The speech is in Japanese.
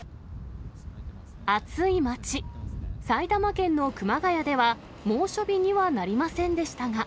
暑い街、埼玉県の熊谷では、猛暑日にはなりませんでしたが。